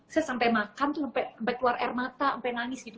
saya sampe makan tuh sampe keluar air mata sampe nangis gitu